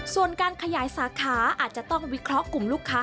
ส่วนการขยายสาขาอาจจะต้องวิเคราะห์กลุ่มลูกค้า